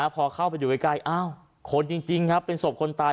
พอเข้าไปดูใกล้อ้าวคนจริงครับเป็นศพคนตาย